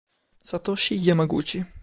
Satoshi Yamaguchi